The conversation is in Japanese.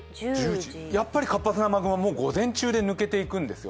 やっぱり活発な雨雲は午前中で抜けていくんです。